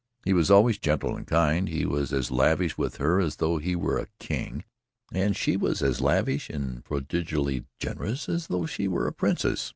He was always gentle and kind, he was as lavish with her as though he were a king, and she was as lavish and prodigally generous as though she were a princess.